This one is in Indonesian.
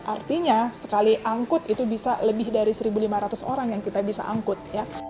artinya sekali angkut itu bisa lebih dari satu lima ratus orang yang kita bisa angkut ya